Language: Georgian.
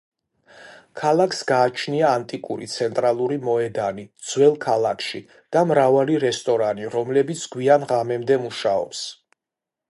ქალაქს გააჩნია ანტიკური ცენტრალური მოედანი ძველ ქალაქში და მრავალი რესტორანი, რომლებიც გვიან ღამემდე მუშაობს.